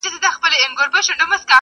مرور له پلاره ولاړی په غصه سو-